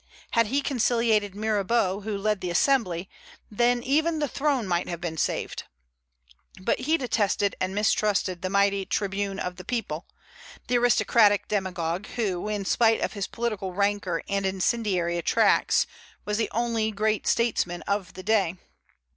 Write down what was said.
Had he conciliated Mirabeau, who led the Assembly, then even the throne might have been saved. But he detested and mistrusted the mighty tribune of the people, the aristocratic demagogue, who, in spite of his political rancor and incendiary tracts, was the only great statesman of the day.